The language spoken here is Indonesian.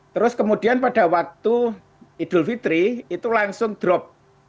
terus kemudian pada waktu idul fitri itu langsung drop